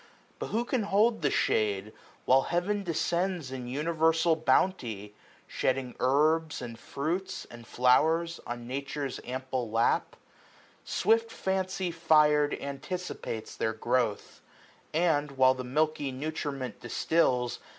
But who can hold the shade, while Heaven descends In universal bounty, shedding herbs, 180 And fruits, and flowers, on Nature's ample lap ? Swift fancy fir*d anticipates their growth ; And, while the milky nutriment distils.